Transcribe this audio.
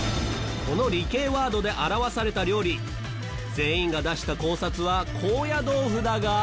この理系ワードで表された料理全員が出した考察は高野豆腐だが。